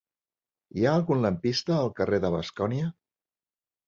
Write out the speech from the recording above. Hi ha algun lampista al carrer de Bascònia?